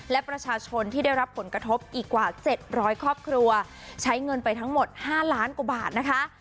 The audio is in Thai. และประชาชนที่ได้รับผลกระทบอีกกว่า๗๐๐ครอบครัวใช้เงินไปทั้งหมด๕ล้านกว่าบาทนะคะ